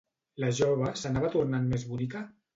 La jove s'anava tornant més bonica?